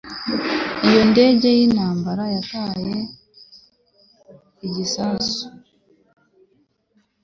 Iyo ndege yintambara yataye igisasu